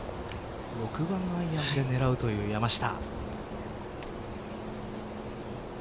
６番アイアンで狙うという山下。